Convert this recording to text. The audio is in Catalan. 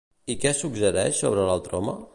I què suggereix sobre l'altre home?